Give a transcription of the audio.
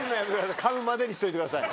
「噛む」までにしといてください。